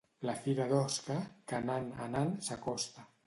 La fira d'Osca, que anant, anant, s'acosta.